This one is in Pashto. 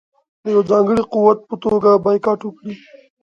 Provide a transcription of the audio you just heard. د یوه ځانګړي قوت په توګه بایکاټ وکړي.